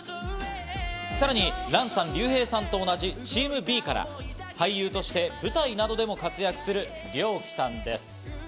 さらにランさん、リュウヘイさんと同じチームＢから俳優として舞台などでも活躍するリョウキさんです。